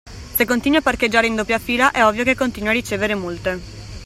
Se continui a parcheggiare in doppia fila, è ovvio che continui a ricevere multe.